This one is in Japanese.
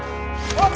あっ！